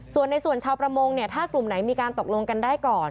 ส่วนในส่วนชาวประมงเนี่ยถ้ากลุ่มไหนมีการตกลงกันได้ก่อน